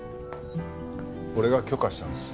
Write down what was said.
俺が許可したんです。